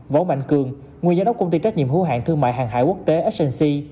võ mạnh cường nguyên giám đốc công ty trách nhiệm hữu hạn thương mại hàng hải quốc tế s c